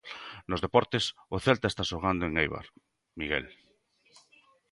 Nos deportes, o Celta está xogando en Eibar, Miguel.